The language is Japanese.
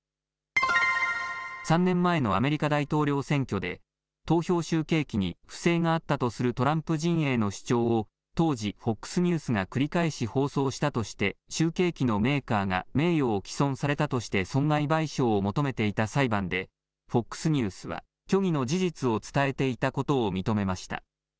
３年前のアメリカ大統領選挙で、投票集計機に不正があったとするトランプ陣営の主張を、当時、ＦＯＸニュースが繰り返し放送したとして、集計機のメーカーが名誉を毀損されたとして損害賠償を求めていた裁判で、ＦＯＸニュースは虚偽の事実を伝えていたことを認めました。